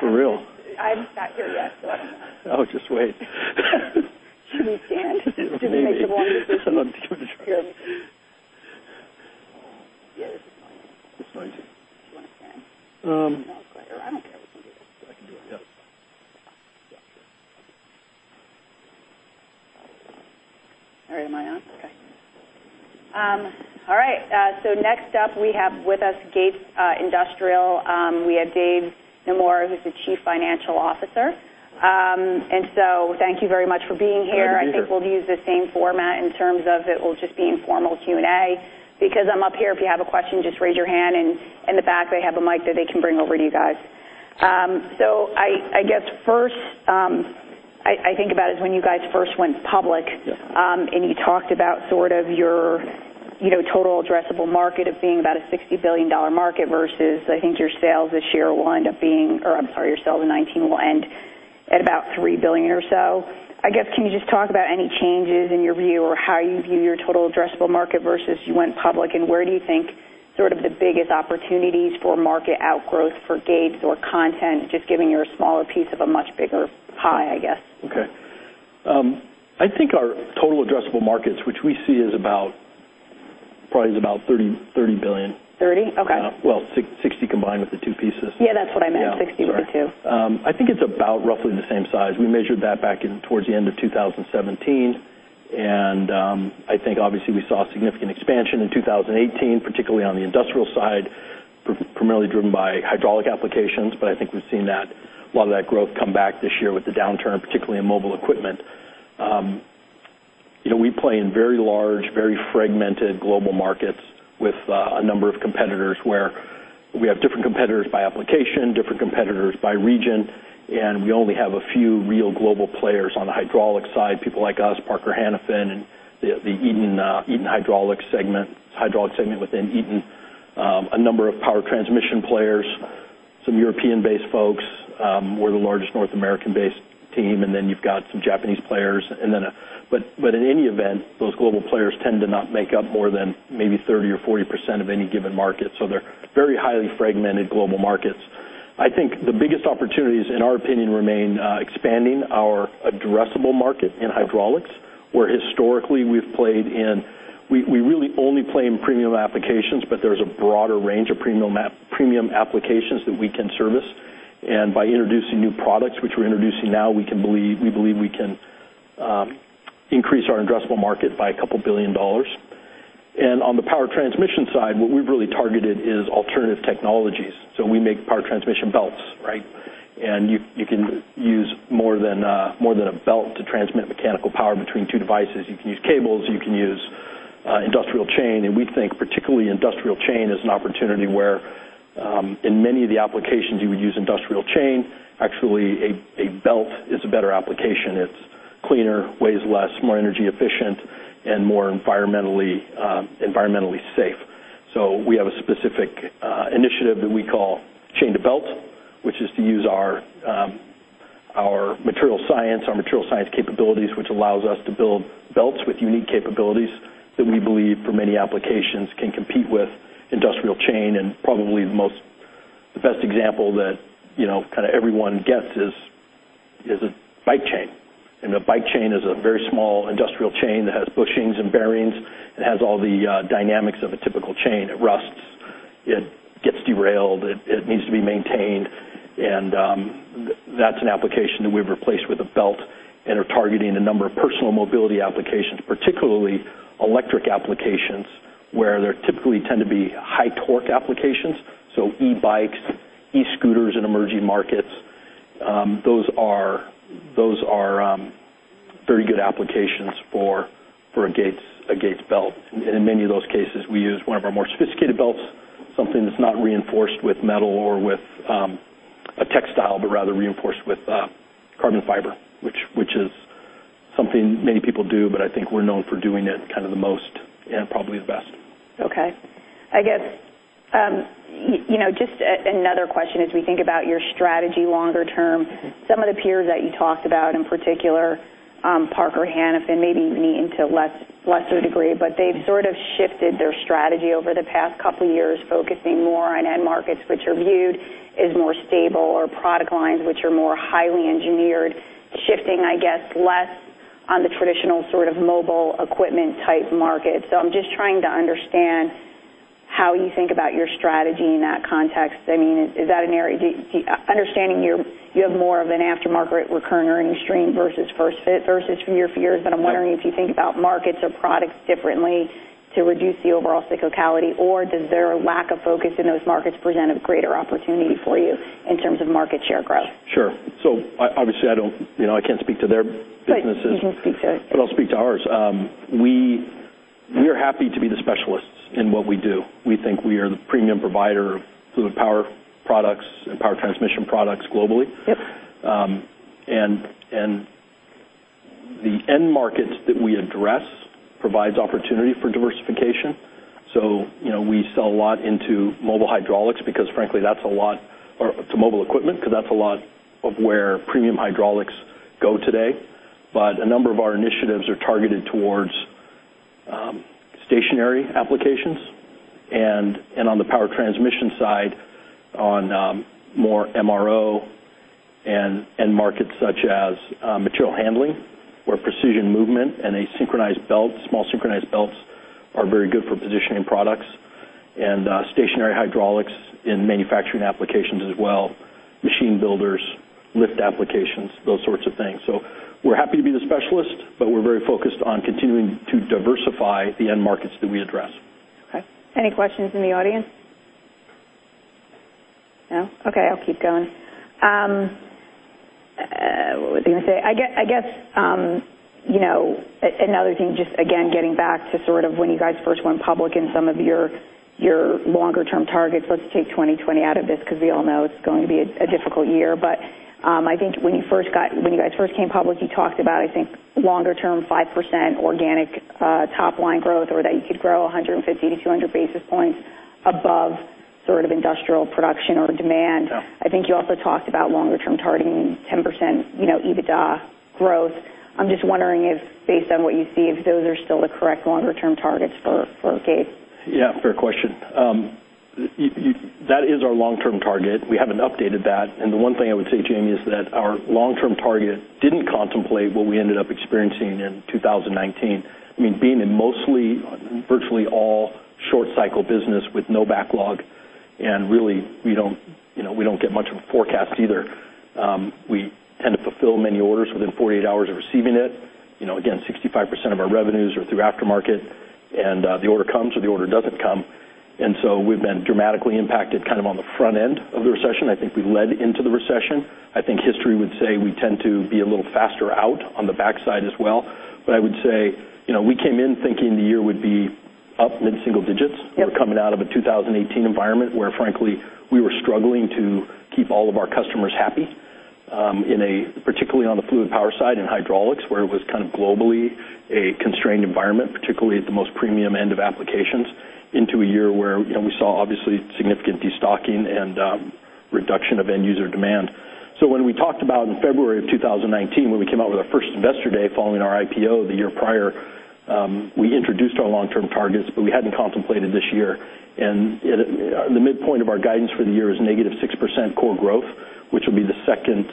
For real? I haven't sat here yet, so. Oh, just wait. Should we stand? Should we make the walk? I don't think you want to. Here. Yeah, this is noisy. It's noisy. Do you want to stand? No. I don't care. We can do this. I can do it. Yeah. All right. Am I on? Okay. All right. Next up, we have with us Gates Industrial. We have Dave Naemura, who's the Chief Financial Officer. Thank you very much for being here. You're very welcome. I think we'll use the same format in terms of it will just be informal Q&A. Because I'm up here, if you have a question, just raise your hand. In the back, they have a mic that they can bring over to you guys. I guess first, I think about it as when you guys first went public and you talked about sort of your total addressable market of being about a $60 billion market versus I think your sales this year will end up being or I'm sorry, your sales in 2019 will end at about $3 billion or so. I guess can you just talk about any changes in your view or how you view your total addressable market versus you went public? Where do you think sort of the biggest opportunities for market outgrowth for Gates or content, just giving you a smaller piece of a much bigger pie, I guess? Okay. I think our total addressable markets, which we see is probably about $30 billion. 30? Okay. Sixty combined with the two pieces. Yeah, that's what I meant. Sixty with the two. I think it's about roughly the same size. We measured that back towards the end of 2017. I think obviously we saw significant expansion in 2018, particularly on the industrial side, primarily driven by hydraulic applications. I think we've seen a lot of that growth come back this year with the downturn, particularly in mobile equipment. We play in very large, very fragmented global markets with a number of competitors where we have different competitors by application, different competitors by region. We only have a few real global players on the hydraulic side, people like us, Parker Hannifin and the Eaton hydraulic segment within Eaton, a number of power transmission players, some European-based folks. We're the largest North American-based team. Then you've got some Japanese players. In any event, those global players tend to not make up more than maybe 30% or 40% of any given market. They are very highly fragmented global markets. I think the biggest opportunities, in our opinion, remain expanding our addressable market in hydraulics, where historically we've played in—we really only play in premium applications, but there is a broader range of premium applications that we can service. By introducing new products, which we are introducing now, we believe we can increase our addressable market by a couple of billion dollars. On the power transmission side, what we have really targeted is alternative technologies. We make power transmission belts, right? You can use more than a belt to transmit mechanical power between two devices. You can use cables. You can use industrial chain. We think particularly industrial chain is an opportunity where in many of the applications you would use industrial chain, actually a belt is a better application. It's cleaner, weighs less, more energy efficient, and more environmentally safe. We have a specific initiative that we call Chain to Belt, which is to use our material science capabilities, which allows us to build belts with unique capabilities that we believe for many applications can compete with industrial chain. Probably the best example that kind of everyone gets is a bike chain. A bike chain is a very small industrial chain that has bushings and bearings and has all the dynamics of a typical chain. It rusts. It gets derailed. It needs to be maintained. That's an application that we've replaced with a belt. We're targeting a number of personal mobility applications, particularly electric applications where there typically tend to be high torque applications. E-bikes, e-scooters in emerging markets, those are very good applications for a Gates belt. In many of those cases, we use one of our more sophisticated belts, something that's not reinforced with metal or with a textile, but rather reinforced with carbon fiber, which is something many people do. I think we're known for doing it kind of the most and probably the best. Okay. I guess just another question as we think about your strategy longer term. Some of the peers that you talked about, in particular Parker Hannifin, maybe Eaton a lesser degree, but they've sort of shifted their strategy over the past couple of years, focusing more on end markets, which are viewed as more stable, or product lines which are more highly engineered, shifting, I guess, less on the traditional sort of mobile equipment type market. I am just trying to understand how you think about your strategy in that context. I mean, is that an area, understanding you have more of an aftermarket recurring earning stream versus first fit versus for your peers? I'm wondering if you think about markets or products differently to reduce the overall cyclicality, or does their lack of focus in those markets present a greater opportunity for you in terms of market share growth? Sure. Obviously, I can't speak to their businesses. You can speak to it. I'll speak to ours. We are happy to be the specialists in what we do. We think we are the premium provider of fluid power products and power transmission products globally. The end markets that we address provide opportunity for diversification. We sell a lot into mobile hydraulics because, frankly, that's a lot to mobile equipment because that's a lot of where premium hydraulics go today. A number of our initiatives are targeted towards stationary applications. On the power transmission side, on more MRO and end markets such as material handling, where precision movement and a synchronized belt, small synchronized belts are very good for positioning products. Stationary hydraulics in manufacturing applications as well, machine builders, lift applications, those sorts of things. We're happy to be the specialist, but we're very focused on continuing to diversify the end markets that we address. Okay. Any questions in the audience? No? Okay. I'll keep going. What was I going to say? I guess another thing, just again, getting back to sort of when you guys first went public and some of your longer-term targets. Let's take 2020 out of this because we all know it's going to be a difficult year. I think when you guys first came public, you talked about, I think, longer-term 5% organic top-line growth or that you could grow 150 to 200 basis points above sort of industrial production or demand. I think you also talked about longer-term targeting 10% EBITDA growth. I'm just wondering if, based on what you see, if those are still the correct longer-term targets for Gates. Yeah. Fair question. That is our long-term target. We haven't updated that. The one thing I would say, Jamie, is that our long-term target didn't contemplate what we ended up experiencing in 2019. I mean, being in mostly, virtually all short-cycle business with no backlog. Really, we don't get much of a forecast either. We tend to fulfill many orders within 48 hours of receiving it. Again, 65% of our revenues are through aftermarket. The order comes or the order doesn't come. We have been dramatically impacted kind of on the front end of the recession. I think we led into the recession. I think history would say we tend to be a little faster out on the backside as well. I would say we came in thinking the year would be up mid-single digits. We're coming out of a 2018 environment where, frankly, we were struggling to keep all of our customers happy, particularly on the fluid power side in hydraulics, where it was kind of globally a constrained environment, particularly at the most premium end of applications, into a year where we saw obviously significant destocking and reduction of end-user demand. When we talked about in February of 2019, when we came out with our first investor day following our IPO the year prior, we introduced our long-term targets, but we hadn't contemplated this year. The midpoint of our guidance for the year is negative 6% core growth, which will be the second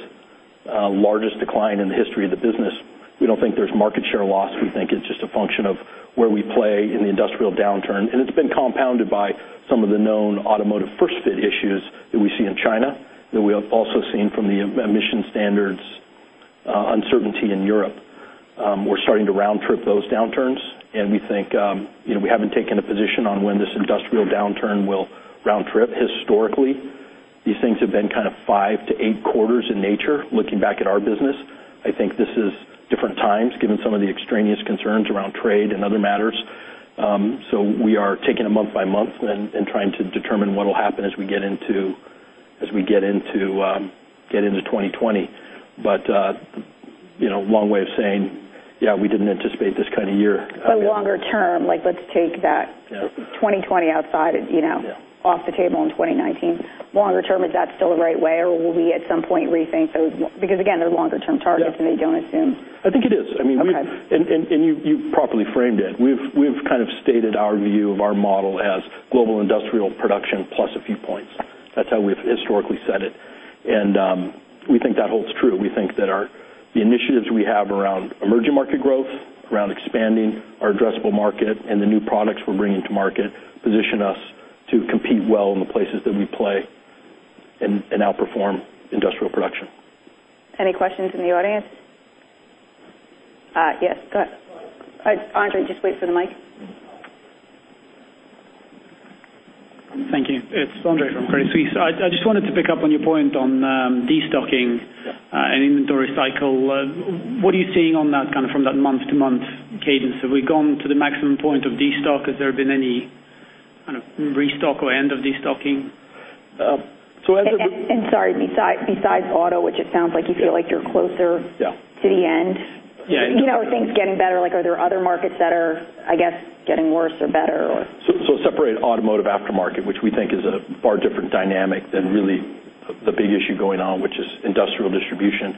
largest decline in the history of the business. We don't think there's market share loss. We think it's just a function of where we play in the industrial downturn. It has been compounded by some of the known automotive first fit issues that we see in China that we have also seen from the emission standards uncertainty in Europe. We are starting to round trip those downturns. We think we have not taken a position on when this industrial downturn will round trip. Historically, these things have been kind of five to eight quarters in nature. Looking back at our business, I think this is different times given some of the extraneous concerns around trade and other matters. We are taking it month by month and trying to determine what will happen as we get into 2020. Long way of saying, yeah, we did not anticipate this kind of year. Longer term, let's take that 2020 outside off the table in 2019. Longer term, is that still the right way? Or will we at some point rethink those? Because again, they're longer-term targets and they don't assume. I think it is. I mean, and you've properly framed it. We've kind of stated our view of our model as global industrial production plus a few points. That's how we've historically said it. We think that holds true. We think that the initiatives we have around emerging market growth, around expanding our addressable market, and the new products we're bringing to market position us to compete well in the places that we play and outperform industrial production. Any questions in the audience? Yes. Go ahead. Andrey, just wait for the mic. Thank you. It's Andrey from Credit Suisse. I just wanted to pick up on your point on destocking and inventory cycle. What are you seeing on that kind of from that month-to-month cadence? Have we gone to the maximum point of destock? Has there been any kind of restock or end of destocking? Sorry, besides auto, which it sounds like you feel like you're closer to the end. Are things getting better? Are there other markets that are, I guess, getting worse or better? Separate automotive aftermarket, which we think is a far different dynamic than really the big issue going on, which is industrial distribution.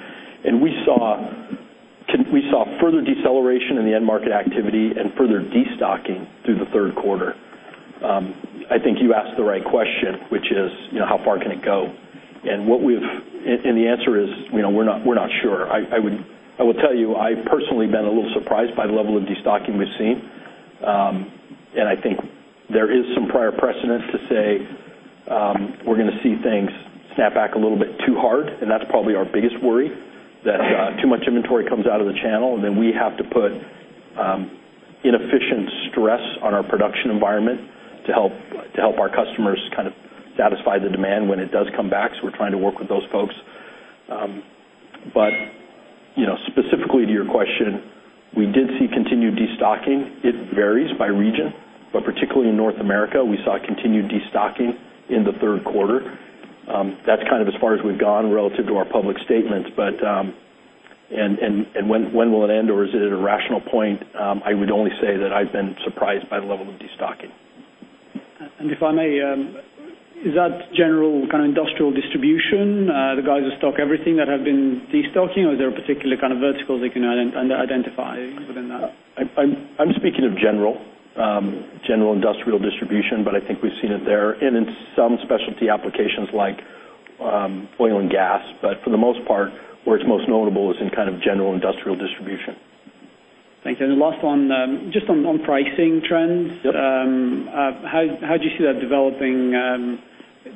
We saw further deceleration in the end market activity and further destocking through the third quarter. I think you asked the right question, which is how far can it go? The answer is we're not sure. I will tell you, I've personally been a little surprised by the level of destocking we've seen. I think there is some prior precedent to say we're going to see things snap back a little bit too hard. That's probably our biggest worry, that too much inventory comes out of the channel. Then we have to put inefficient stress on our production environment to help our customers kind of satisfy the demand when it does come back. We're trying to work with those folks. Specifically to your question, we did see continued destocking. It varies by region. Particularly in North America, we saw continued destocking in the third quarter. That is as far as we have gone relative to our public statements. When will it end or is it at a rational point? I would only say that I have been surprised by the level of destocking. If I may, is that general kind of industrial distribution, the guys who stock everything that have been destocking, or is there a particular kind of vertical they can identify within that? I'm speaking of general industrial distribution, but I think we've seen it there and in some specialty applications like oil and gas. For the most part, where it's most notable is in kind of general industrial distribution. Thank you. The last one, just on pricing trends, how do you see that developing?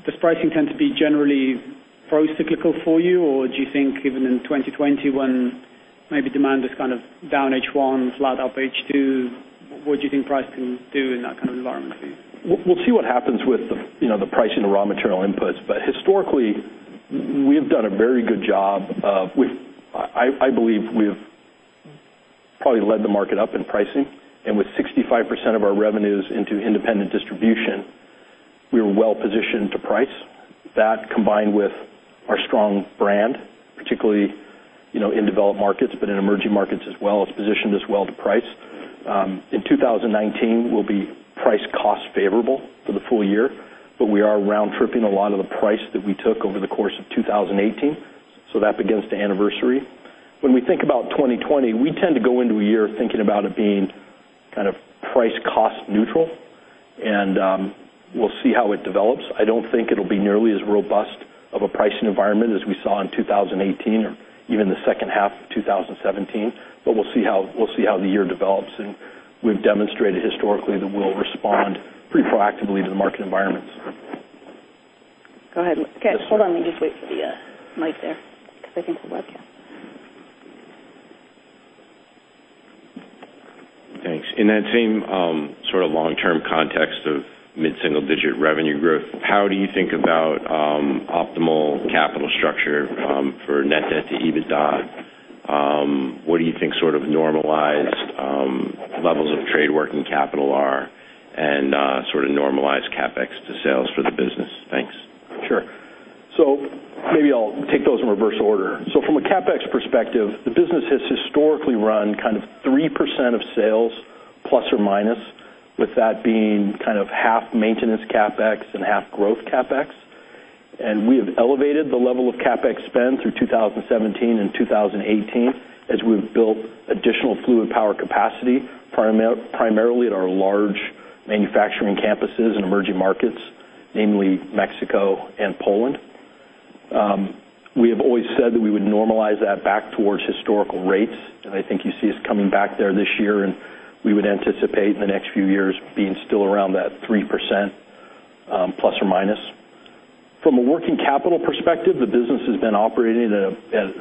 Does pricing tend to be generally pro-cyclical for you, or do you think even in 2020 when maybe demand is kind of down H1, flat up H2, what do you think price can do in that kind of environment? We'll see what happens with the pricing of raw material inputs. Historically, we've done a very good job. I believe we've probably led the market up in pricing. With 65% of our revenues into independent distribution, we were well positioned to price. That, combined with our strong brand, particularly in developed markets, but in emerging markets as well, has positioned us well to price. In 2019, we'll be price-cost favorable for the full year, but we are round tripping a lot of the price that we took over the course of 2018. That begins to anniversary. When we think about 2020, we tend to go into a year thinking about it being kind of price-cost neutral. We'll see how it develops. I don't think it'll be nearly as robust of a pricing environment as we saw in 2018 or even the second half of 2017. We will see how the year develops. We have demonstrated historically that we will respond pretty proactively to the market environments. Go ahead. Okay. Hold on. Let me just wait for the mic there because I think the webcam. Thanks. In that same sort of long-term context of mid-single digit revenue growth, how do you think about optimal capital structure for net debt to EBITDA? What do you think sort of normalized levels of trade working capital are and sort of normalized CapEx to sales for the business? Thanks. Sure. Maybe I'll take those in reverse order. From a CapEx perspective, the business has historically run kind of 3% of sales plus or minus, with that being kind of half maintenance CapEx and half growth CapEx. We have elevated the level of CapEx spend through 2017 and 2018 as we've built additional fluid power capacity, primarily at our large manufacturing campuses in emerging markets, namely Mexico and Poland. We have always said that we would normalize that back towards historical rates. I think you see us coming back there this year. We would anticipate in the next few years being still around that 3% plus or minus. From a working capital perspective, the business has been operating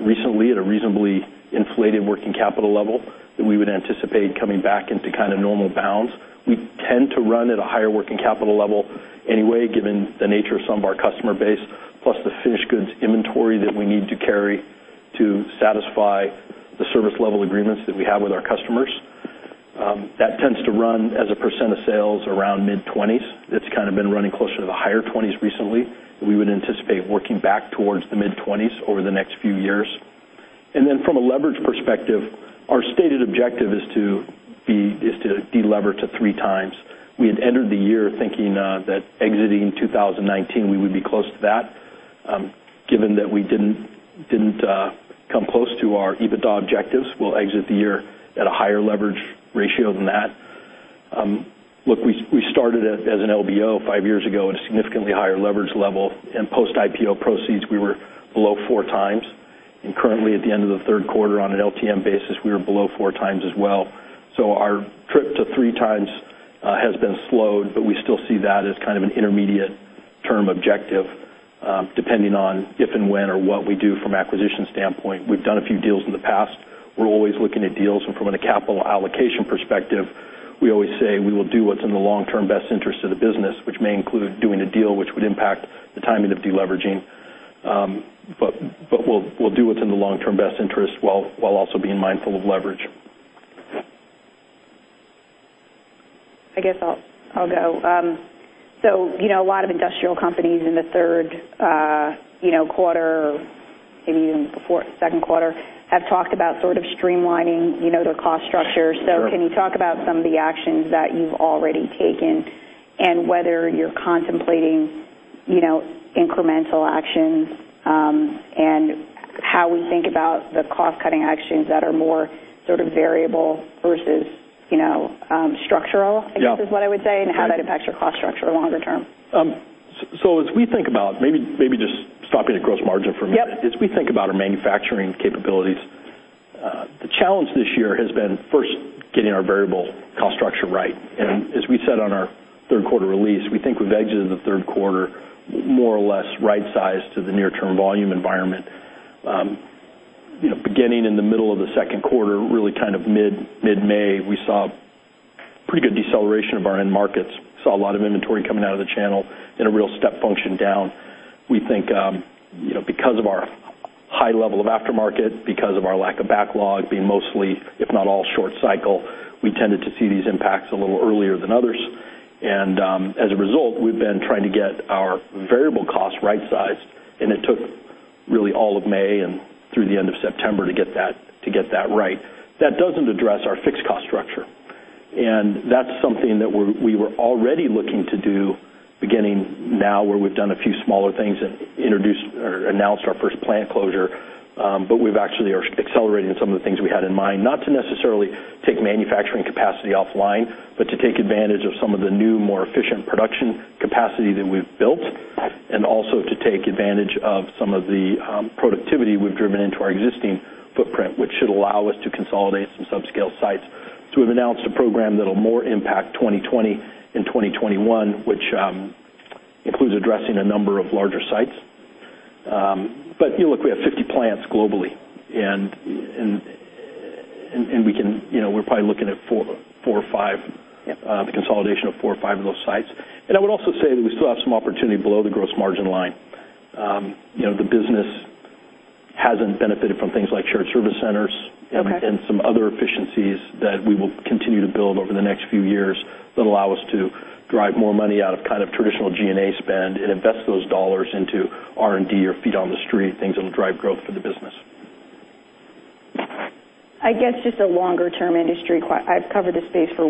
recently at a reasonably inflated working capital level that we would anticipate coming back into kind of normal bounds. We tend to run at a higher working capital level anyway, given the nature of some of our customer base, plus the finished goods inventory that we need to carry to satisfy the service level agreements that we have with our customers. That tends to run as a % of sales around mid-20s. It's kind of been running closer to the higher 20s recently. We would anticipate working back towards the mid-20s over the next few years. From a leverage perspective, our stated objective is to deleverage to three times. We had entered the year thinking that exiting 2019, we would be close to that. Given that we didn't come close to our EBITDA objectives, we'll exit the year at a higher leverage ratio than that. Look, we started as an LBO five years ago at a significantly higher leverage level. Post-IPO proceeds, we were below four times. Currently, at the end of the third quarter, on an LTM basis, we were below four times as well. Our trip to three times has been slowed, but we still see that as kind of an intermediate-term objective, depending on if and when or what we do from an acquisition standpoint. We've done a few deals in the past. We're always looking at deals. From a capital allocation perspective, we always say we will do what's in the long-term best interest of the business, which may include doing a deal which would impact the timing of deleveraging. We'll do what's in the long-term best interest while also being mindful of leverage. I guess I'll go. A lot of industrial companies in the third quarter, maybe even second quarter, have talked about sort of streamlining their cost structure. Can you talk about some of the actions that you've already taken and whether you're contemplating incremental actions and how we think about the cost-cutting actions that are more sort of variable versus structural, I guess is what I would say, and how that impacts your cost structure longer term? As we think about, maybe just stopping at gross margin for a minute, as we think about our manufacturing capabilities, the challenge this year has been first getting our variable cost structure right. As we said on our third quarter release, we think we've exited the third quarter more or less right-sized to the near-term volume environment. Beginning in the middle of the second quarter, really kind of mid-May, we saw pretty good deceleration of our end markets. We saw a lot of inventory coming out of the channel in a real step function down. We think because of our high level of aftermarket, because of our lack of backlog being mostly, if not all, short cycle, we tended to see these impacts a little earlier than others. As a result, we've been trying to get our variable cost right-sized. It took really all of May and through the end of September to get that right. That does not address our fixed cost structure. That is something that we were already looking to do beginning now where we have done a few smaller things and announced our first plant closure. We have actually accelerated some of the things we had in mind, not to necessarily take manufacturing capacity offline, but to take advantage of some of the new, more efficient production capacity that we have built, and also to take advantage of some of the productivity we have driven into our existing footprint, which should allow us to consolidate some subscale sites. We have announced a program that will more impact 2020 and 2021, which includes addressing a number of larger sites. We have 50 plants globally. We're probably looking at four or five, the consolidation of four or five of those sites. I would also say that we still have some opportunity below the gross margin line. The business hasn't benefited from things like shared service centers and some other efficiencies that we will continue to build over the next few years that allow us to drive more money out of kind of traditional G&A spend and invest those dollars into R&D or feet on the street, things that will drive growth for the business. I guess just a longer-term industry question. I've covered this space for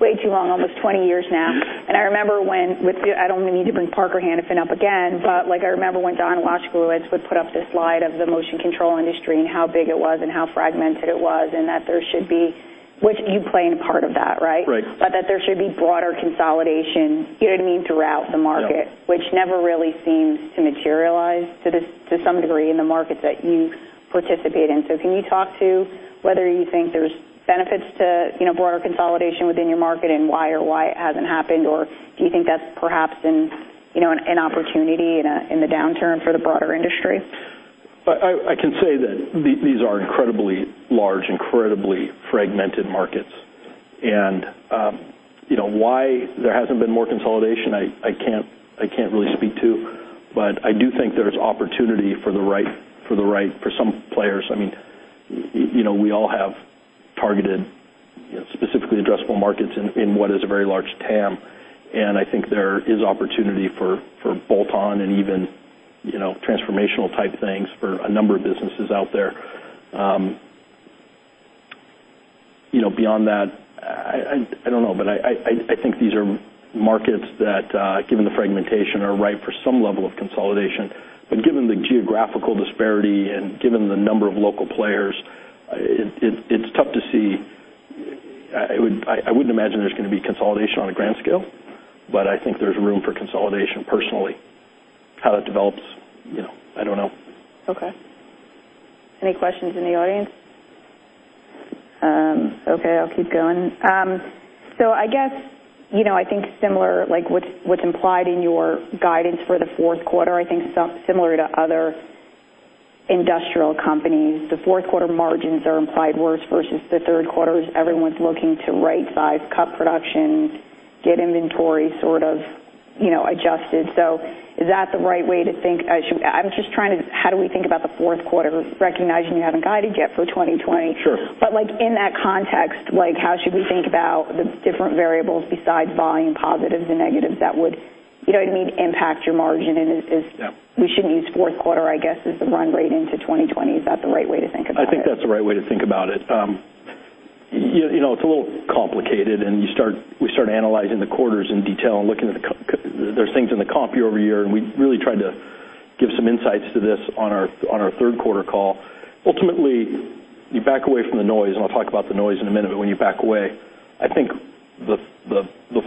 way too long, almost 20 years now. I remember when, I don't need to bring Parker Hannifin up again, but I remember when Don Washkewicz would put up this slide of the motion control industry and how big it was and how fragmented it was and that there should be, which you play in part of that, right? Right. There should be broader consolidation, you know what I mean, throughout the market, which never really seems to materialize to some degree in the markets that you participate in. Can you talk to whether you think there's benefits to broader consolidation within your market and why or why it hasn't happened, or do you think that's perhaps an opportunity in the downturn for the broader industry? I can say that these are incredibly large, incredibly fragmented markets. Why there hasn't been more consolidation, I can't really speak to. I do think there's opportunity for the right, for some players. I mean, we all have targeted, specifically addressable markets in what is a very large TAM. I think there is opportunity for bolt-on and even transformational type things for a number of businesses out there. Beyond that, I don't know, but I think these are markets that, given the fragmentation, are ripe for some level of consolidation. Given the geographical disparity and given the number of local players, it's tough to see. I wouldn't imagine there's going to be consolidation on a grand scale, but I think there's room for consolidation personally. How that develops, I don't know. Okay. Any questions in the audience? Okay. I'll keep going. I guess I think similar to what's implied in your guidance for the fourth quarter, I think similar to other industrial companies, the fourth quarter margins are implied worse versus the third quarter as everyone's looking to right-size, cut productions, get inventory sort of adjusted. Is that the right way to think? I'm just trying to, how do we think about the fourth quarter, recognizing you haven't guided yet for 2020? Sure. In that context, how should we think about the different variables besides volume, positives and negatives that would, you know what I mean, impact your margin? And we shouldn't use fourth quarter, I guess, as the run rate into 2020. Is that the right way to think about it? I think that's the right way to think about it. It's a little complicated. We start analyzing the quarters in detail and looking at the, there's things in the comp year over year. We really tried to give some insights to this on our third quarter call. Ultimately, you back away from the noise, and I'll talk about the noise in a minute, but when you back away, I think the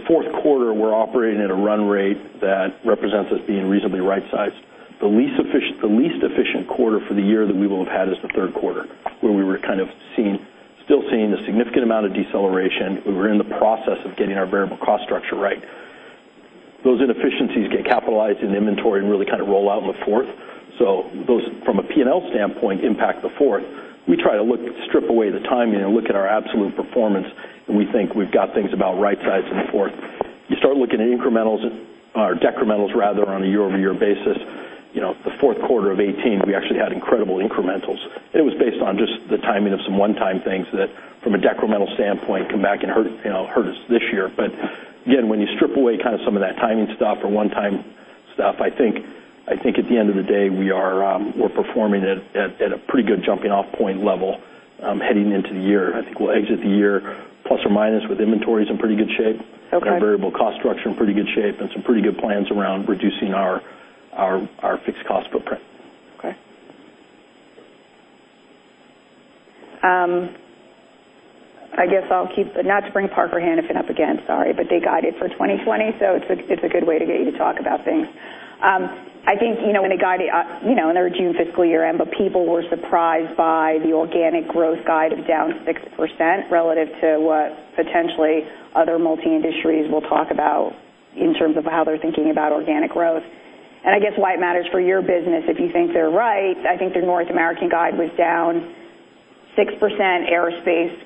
fourth quarter, we're operating at a run rate that represents us being reasonably right-sized. The least efficient quarter for the year that we will have had is the third quarter, where we were kind of still seeing a significant amount of deceleration. We were in the process of getting our variable cost structure right. Those inefficiencies get capitalized in inventory and really kind of roll out in the fourth. Those, from a P&L standpoint, impact the fourth. We try to strip away the timing and look at our absolute performance, and we think we've got things about right-sized in the fourth. You start looking at incrementals or decrementals rather on a year-over-year basis. The fourth quarter of 2018, we actually had incredible incrementals. It was based on just the timing of some one-time things that, from a decremental standpoint, come back and hurt us this year. Again, when you strip away kind of some of that timing stuff or one-time stuff, I think at the end of the day, we're performing at a pretty good jumping-off point level heading into the year. I think we'll exit the year plus or minus with inventories in pretty good shape and variable cost structure in pretty good shape and some pretty good plans around reducing our fixed cost footprint. Okay. I guess I'll keep, not to bring Parker Hannifin up again, sorry, but they guided for 2020, so it's a good way to get you to talk about things. I think when they guided, and they were due fiscal year end, but people were surprised by the organic growth guide of down 6% relative to what potentially other multi-industries will talk about in terms of how they're thinking about organic growth. I guess why it matters for your business, if you think they're right, I think the North American guide was down 6%, aerospace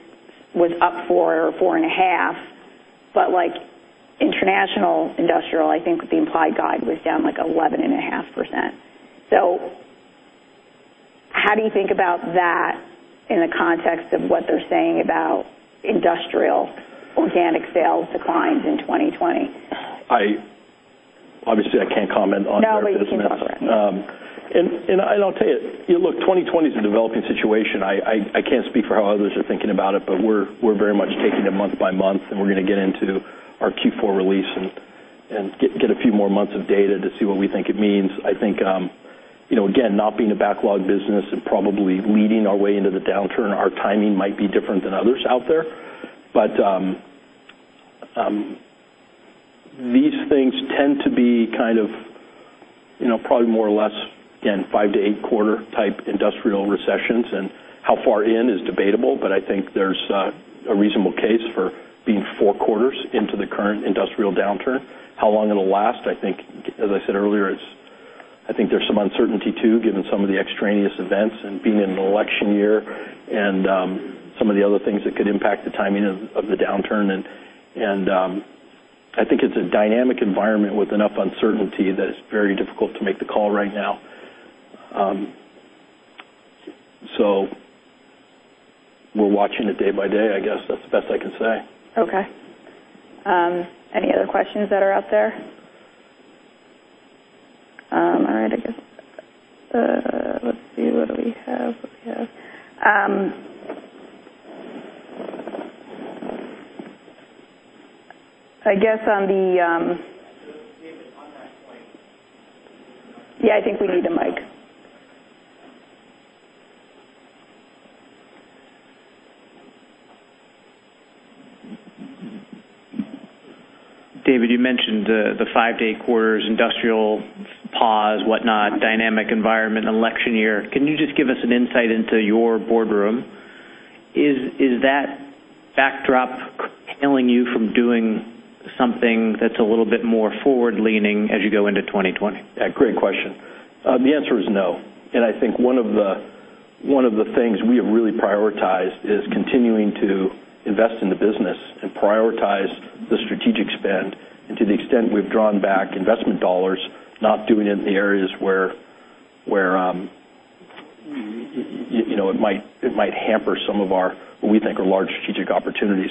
was up 4% or 4.5%. International industrial, I think the implied guide was down like 11.5%. How do you think about that in the context of what they're saying about industrial organic sales declines in 2020? Obviously, I can't comment on that at this moment. No, we can talk about it. I'll tell you, look, 2020 is a developing situation. I can't speak for how others are thinking about it, but we're very much taking it month by month, and we're going to get into our Q4 release and get a few more months of data to see what we think it means. I think, again, not being a backlog business and probably leading our way into the downturn, our timing might be different than others out there. These things tend to be kind of probably more or less, again, five- to eight-quarter type industrial recessions. How far in is debatable, but I think there's a reasonable case for being four quarters into the current industrial downturn. How long it'll last, I think, as I said earlier, I think there's some uncertainty too, given some of the extraneous events and being in an election year and some of the other things that could impact the timing of the downturn. I think it's a dynamic environment with enough uncertainty that it's very difficult to make the call right now. We're watching it day by day, I guess. That's the best I can say. Okay. Any other questions that are out there? All right, I guess. Let's see, what do we have? I guess on the. David, on that point. Yeah, I think we need a mic. David, you mentioned the five-day quarters, industrial pause, whatnot, dynamic environment, election year. Can you just give us an insight into your boardroom? Is that backdrop hailing you from doing something that's a little bit more forward-leaning as you go into 2020? Great question. The answer is no. I think one of the things we have really prioritized is continuing to invest in the business and prioritize the strategic spend. To the extent we've drawn back investment dollars, not doing it in the areas where it might hamper some of our what we think are large strategic opportunities.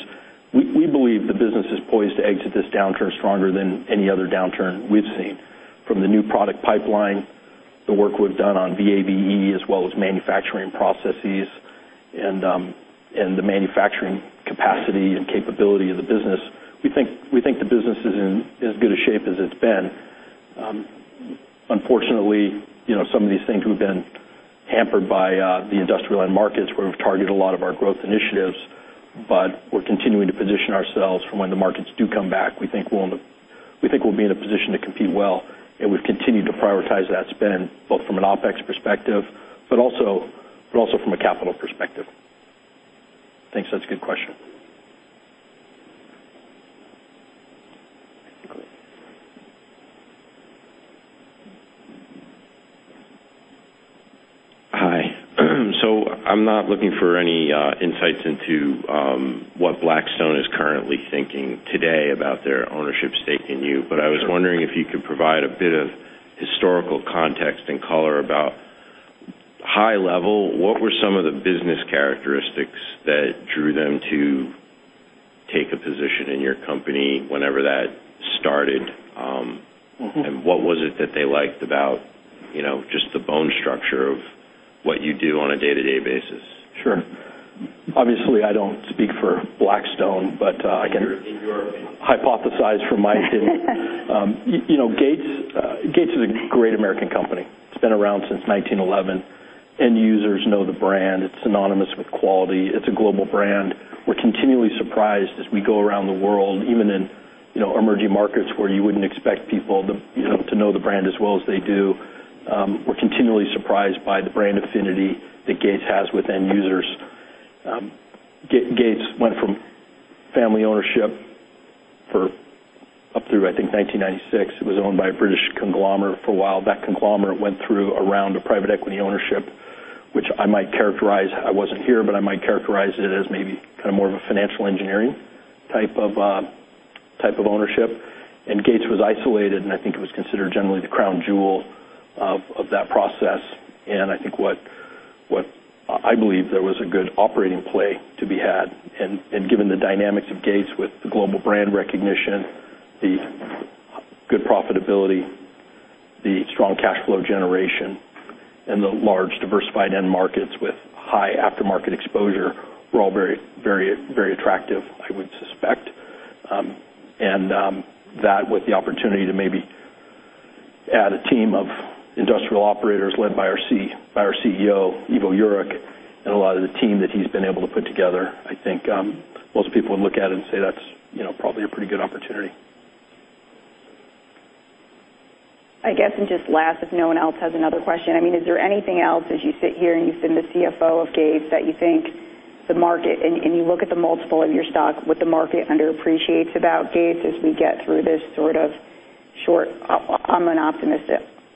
We believe the business is poised to exit this downturn stronger than any other downturn we've seen. From the new product pipeline, the work we've done on VAVE, as well as manufacturing processes and the manufacturing capacity and capability of the business, we think the business is in as good a shape as it's been. Unfortunately, some of these things have been hampered by the industrial end markets where we've targeted a lot of our growth initiatives, but we're continuing to position ourselves for when the markets do come back. We think we'll be in a position to compete well. We have continued to prioritize that spend, both from an OpEx perspective, but also from a capital perspective. Thanks. That's a good question. Hi. I'm not looking for any insights into what Blackstone is currently thinking today about their ownership stake in you, but I was wondering if you could provide a bit of historical context and color about, high level, what were some of the business characteristics that drew them to take a position in your company whenever that started? What was it that they liked about just the bone structure of what you do on a day-to-day basis? Sure. Obviously, I don't speak for Blackstone, but I can hypothesize from my opinion. Gates is a great American company. It's been around since 1911. End users know the brand. It's synonymous with quality. It's a global brand. We're continually surprised as we go around the world, even in emerging markets where you wouldn't expect people to know the brand as well as they do. We're continually surprised by the brand affinity that Gates has with end users. Gates went from family ownership for up through, I think, 1996. It was owned by a British conglomerate for a while. That conglomerate went through a round of private equity ownership, which I might characterize, I wasn't here, but I might characterize it as maybe kind of more of a financial engineering type of ownership. Gates was isolated, and I think it was considered generally the crown jewel of that process. I think what I believe there was a good operating play to be had. Given the dynamics of Gates with the global brand recognition, the good profitability, the strong cash flow generation, and the large diversified end markets with high aftermarket exposure, were all very attractive, I would suspect. With the opportunity to maybe add a team of industrial operators led by our CEO, Ivo Jurek, and a lot of the team that he's been able to put together, I think most people would look at it and say that's probably a pretty good opportunity. I guess I'm just last if no one else has another question. I mean, is there anything else as you sit here and you've been the CFO of Gates that you think the market, and you look at the multiple of your stock, what the market underappreciates about Gates as we get through this sort of short, I'm an optimist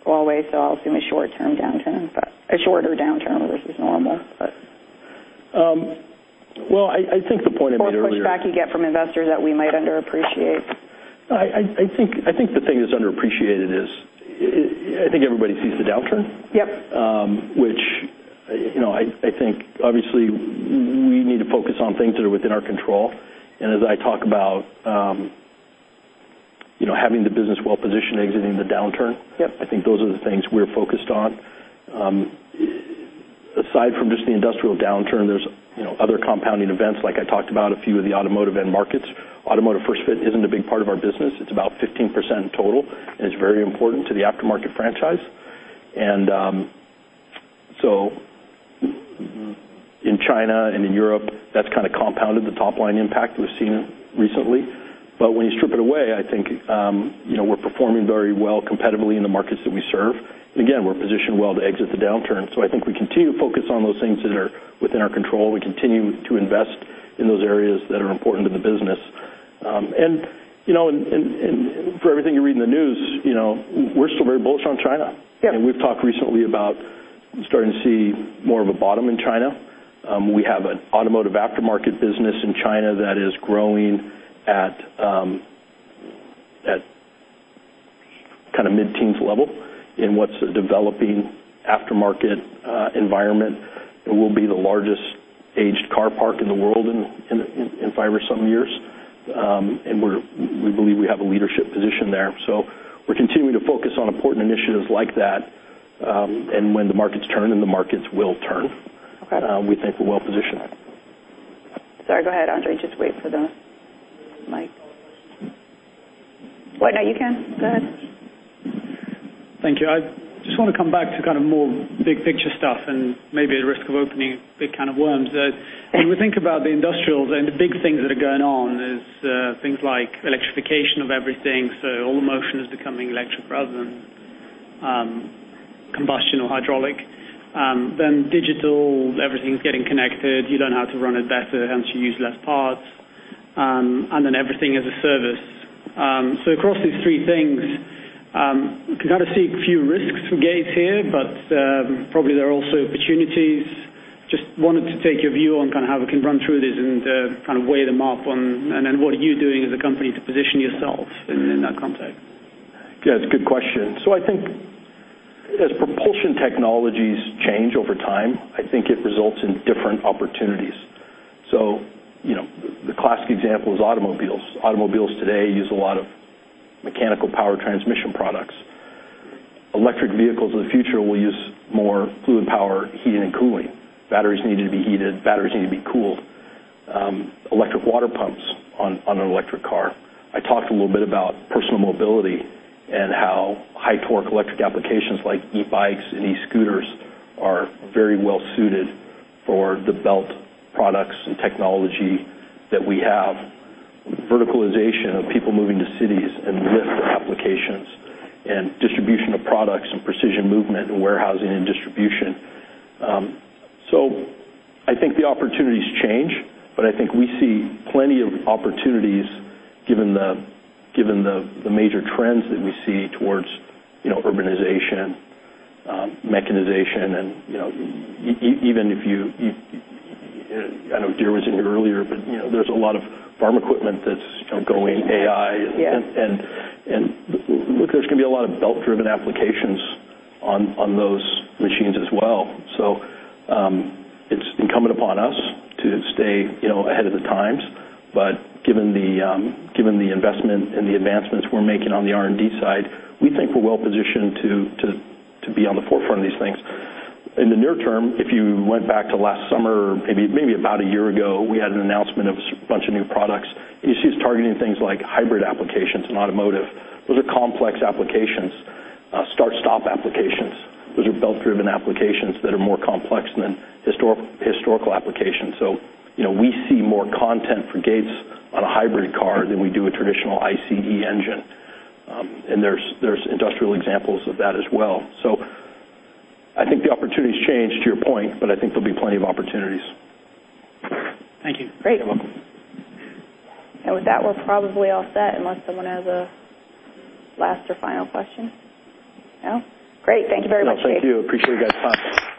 always, so I'll assume a short-term downturn, but a shorter downturn versus normal. I think the point I made earlier. What pushback you get from investors that we might underappreciate? I think the thing that's underappreciated is I think everybody sees the downturn, which I think obviously we need to focus on things that are within our control. As I talk about having the business well-positioned exiting the downturn, I think those are the things we're focused on. Aside from just the industrial downturn, there are other compounding events like I talked about a few of the automotive end markets. Automotive First Fit isn't a big part of our business. It's about 15% total, and it's very important to the aftermarket franchise. In China and in Europe, that's kind of compounded the top-line impact we've seen recently. When you strip it away, I think we're performing very well competitively in the markets that we serve. Again, we're positioned well to exit the downturn. I think we continue to focus on those things that are within our control. We continue to invest in those areas that are important to the business. For everything you read in the news, we're still very bullish on China. We've talked recently about starting to see more of a bottom in China. We have an automotive aftermarket business in China that is growing at kind of mid-teens level in what is a developing aftermarket environment. It will be the largest aged car park in the world in five or some years. We believe we have a leadership position there. We're continuing to focus on important initiatives like that. When the markets turn and the markets will turn, we think we're well-positioned. Sorry, go ahead, Andrey. Just wait for the mic. What, no, you can. Go ahead. Thank you. I just want to come back to kind of more big-picture stuff and maybe at risk of opening big kind of worms. When we think about the industrials and the big things that are going on, there are things like electrification of everything. All the motion is becoming electric rather than combustion or hydraulic. Digital, everything's getting connected. You learn how to run it better once you use less parts. Everything as a service. Across these three things, we can kind of see a few risks for Gates here, but probably there are also opportunities. Just wanted to take your view on kind of how we can run through this and kind of weigh them up on, and then what are you doing as a company to position yourself in that context? Yeah, it's a good question. I think as propulsion technologies change over time, I think it results in different opportunities. The classic example is automobiles. Automobiles today use a lot of mechanical power transmission products. Electric vehicles of the future will use more fluid power, heating, and cooling. Batteries need to be heated. Batteries need to be cooled. Electric water pumps on an electric car. I talked a little bit about personal mobility and how high-torque electric applications like e-bikes and e-scooters are very well-suited for the belt products and technology that we have. Verticalization of people moving to cities and lift applications and distribution of products and precision movement and warehousing and distribution. I think the opportunities change, but I think we see plenty of opportunities given the major trends that we see towards urbanization, mechanization. Even if you, I know Deirdre was in here earlier, but there's a lot of farm equipment that's going AI. Look, there's going to be a lot of belt-driven applications on those machines as well. It's incumbent upon us to stay ahead of the times. Given the investment and the advancements we're making on the R&D side, we think we're well-positioned to be on the forefront of these things. In the near term, if you went back to last summer, maybe about a year ago, we had an announcement of a bunch of new products. You see us targeting things like hybrid applications in automotive. Those are complex applications, start-stop applications. Those are belt-driven applications that are more complex than historical applications. We see more content for Gates on a hybrid car than we do a traditional ICE engine. There are industrial examples of that as well. I think the opportunities change, to your point, but I think there will be plenty of opportunities. Thank you. Great. You're welcome. We're probably all set unless someone has a last or final question. No? Great. Thank you very much, David. Thank you. Appreciate you guys' time.